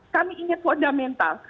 kami ingin fundamental